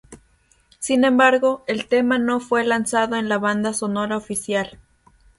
Sin embargo, el tema no fue lanzado en la banda sonora oficial.